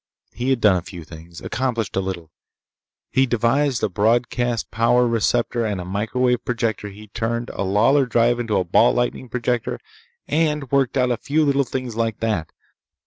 He had done a few things—accomplished a little. He'd devised a broadcast power receptor and a microwave projector and he'd turned a Lawlor drive into a ball lightning projector and worked out a few little things like that.